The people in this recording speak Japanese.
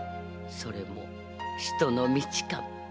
それも人の道かも。